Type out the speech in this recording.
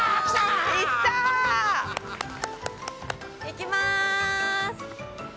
いきます！